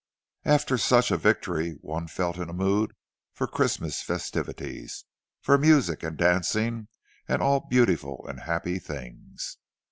After such a victory one felt in a mood for Christmas festivities,—for music and dancing and all beautiful and happy things.